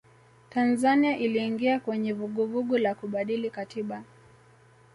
tanzania iliingia kwenye vuguvugu la kubadili katiba